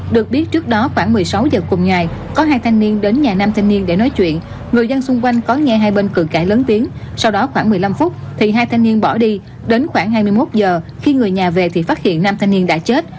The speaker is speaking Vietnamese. được biết trước đó khoảng một mươi sáu giờ cùng ngày có hai thanh niên đến nhà nam thanh niên để nói chuyện người dân xung quanh có nghe hai bên cường cãi lớn tiếng sau đó khoảng một mươi năm phút thì hai thanh niên bỏ đi đến khoảng hai mươi một giờ khi người nhà về thì phát hiện nam thanh niên đã chết